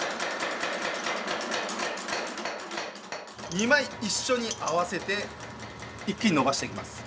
２枚一緒に合わせて一気に伸ばしていきます。